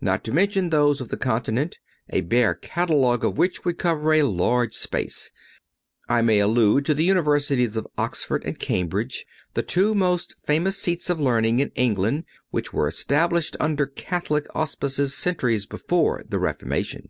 Not to mention those of the continent, a bare catalogue of which would cover a large space, I may allude to the Universities of Oxford and Cambridge, the two most famous seats of learning in England, which were established under Catholic auspices centuries before the Reformation.